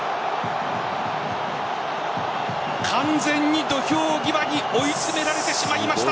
完全に土俵際に追い詰められてしまいました。